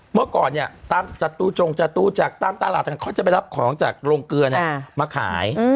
เมื่อก่อนเนี่ยตามต้าตาราบแล้วก็จะไปรับของจากโรงเกลือเนี่ยมาขาย